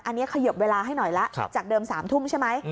อันนี้ขยบเวลาให้หน่อยละจากเดิม๓ทุ่มใช่ไหม